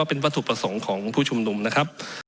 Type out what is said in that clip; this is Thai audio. เป็นวัตถุประสงค์ของผู้ชุมนุมนะครับ